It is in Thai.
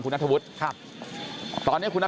คุณภูริพัฒน์บุญนิน